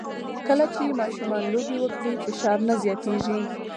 کله چې ماشومان لوبه وکړي، فشار نه زیاتېږي.